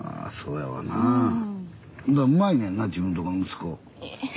うまいねんな自分とこの息子。